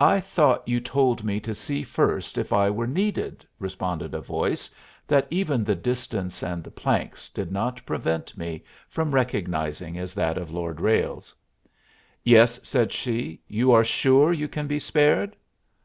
"I thought you told me to see first if I were needed," responded a voice that even the distance and the planks did not prevent me from recognizing as that of Lord Ralles. "Yes," said she. "You are sure you can be spared?"